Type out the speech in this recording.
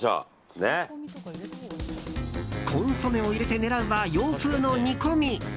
コンソメを入れて狙うは洋風の煮込み。